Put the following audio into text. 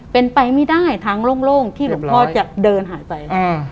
เป็นไปไม่ได้ทางโล่งที่หลวงพ่อจะเดินหายไป